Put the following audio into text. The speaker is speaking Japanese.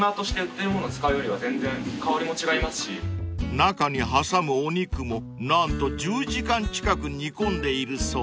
［中に挟むお肉も何と１０時間近く煮込んでいるそう］